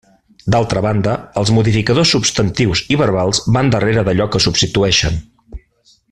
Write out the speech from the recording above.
D'altra banda, els modificadors substantius i verbals van darrere d'allò que substitueixen.